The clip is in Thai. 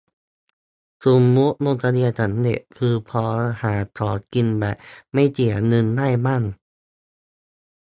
สมมติลงทะเบียนสำเร็จ คือพอหาของกินแบบไม่เสียเงินได้บ้าง